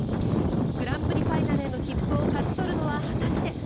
グランプリファイナルへの切符を勝ち取るのは果たして。